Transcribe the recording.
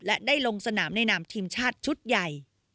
และได้ลงสนามในนามทีมชาติชุดใหญ่